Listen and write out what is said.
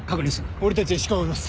俺たちは石川を追います。